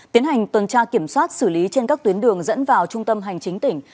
tiến hành tuần tra kiểm soát xử lý trên các tuyến đường dẫn vào trung tâm hành chính tỉnh